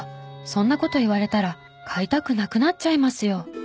そんな事言われたら買いたくなくなっちゃいますよ。